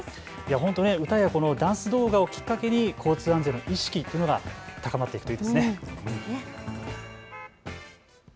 歌やこのダンス動画をきっかけに交通安全の意識というのが高まっていくといいですね。